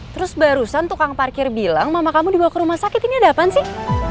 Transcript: terus barusan tukang parkir bilang mama kamu dibawa ke rumah sakit ini ada apaan sih